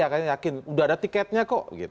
mereka percaya yakin sudah ada tiketnya kok